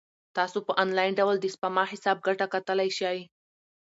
تاسو په انلاین ډول د سپما حساب ګټه کتلای شئ.